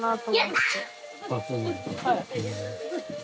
はい。